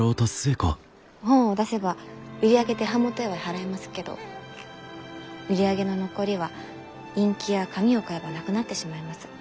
本を出せば売り上げで版元へは払えますけど売り上げの残りはインキや紙を買えばなくなってしまいます。